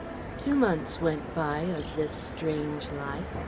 Two months went by of this strange life.